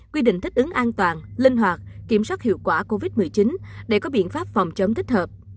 quy định thích ứng an toàn linh hoạt kiểm soát hiệu quả covid một mươi chín để có biện pháp phòng chống thích hợp